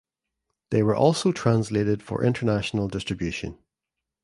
They were also translated for international distribution.